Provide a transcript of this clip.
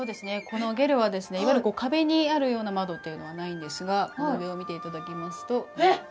このゲルはですねいわゆる壁にあるような窓っていうのはないんですが上を見ていただきますと天井が窓になってます。